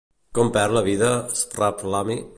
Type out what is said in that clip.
Com perd la vida Svafrlami?